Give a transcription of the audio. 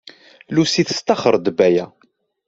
Lucy testaxer-d Baya.